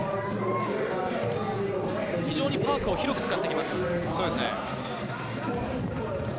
非常にパークを広く使ってきます。